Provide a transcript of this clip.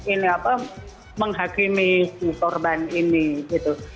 ini apa menghakimi si korban ini gitu